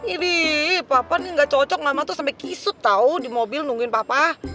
ibi papa nih gak cocok mama tuh sampe kisut tau di mobil nungguin papa